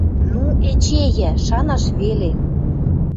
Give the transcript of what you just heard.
Ну, эче йӓ! Шанаш веле!